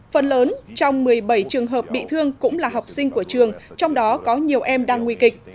phần lớn trong một mươi bảy trường hợp bị thương cũng là học sinh của trường trong đó có nhiều em đang nguy kịch